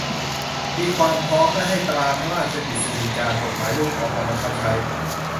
มีความพร้อม และให้ตราพระราชกฤษฎีกา กฎหมายลูก ออกมาบังคับใช้